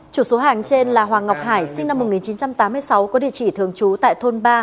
chủ số hàng trên là hoàng ngọc hải sinh năm một nghìn chín trăm tám mươi sáu có địa chỉ thường trú tại thôn ba